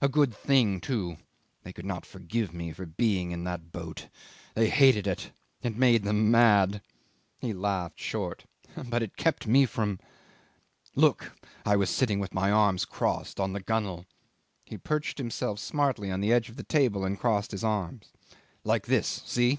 A good thing too. They could not forgive me for being in that boat. They hated it. It made them mad. ..." He laughed short. ... "But it kept me from Look! I was sitting with my arms crossed, on the gunwale! ..." He perched himself smartly on the edge of the table and crossed his arms. ... "Like this see?